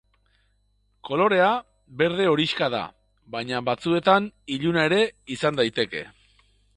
Kolorea berde-horixka da, baina batzuetan iluna ere izan daiteke.